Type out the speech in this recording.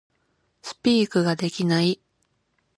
Speak ができない